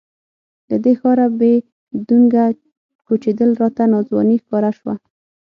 له دې ښاره بې ډونګه کوچېدل راته ناځواني ښکاره شوه.